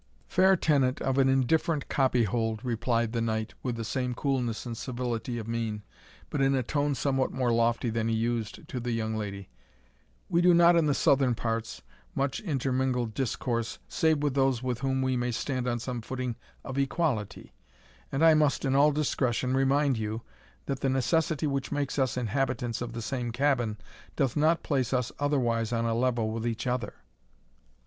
"Fair tenant of an indifferent copyhold," replied the knight, with the same coolness and civility of mien, but in a tone somewhat more lofty than he used to the young lady, "we do not in the southern parts, much intermingle discourse, save with those with whom we may stand on some footing of equality; and I must, in all discretion, remind you, that the necessity which makes us inhabitants of the same cabin, doth not place us otherwise on a level with each other."